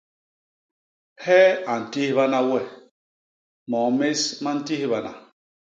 Hee a ntihbana we? Moo més ma ntihbana.